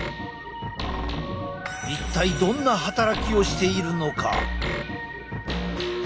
一体どんな働きをしているのか？